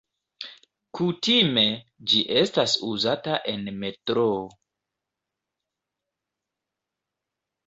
Kutime ĝi estas uzata en metroo.